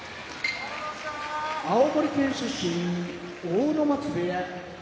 青森県出身阿武松部屋